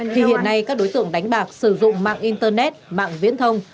thì hiện nay các đối tượng đánh bạc sử dụng mạng internet mạng viễn thông